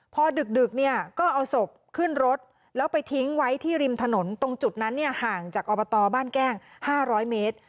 พอดึกเนี่ยก็เอาศพขึ้นรถแล้วไปทิ้งไว้ที่ริมถนนตรงจุดนั้นห่างจากอบตบ้านแก้ง๕๐๐เมตร